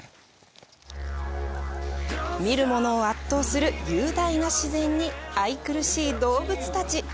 見るものを圧倒する雄大な自然に愛くるしい動物たち。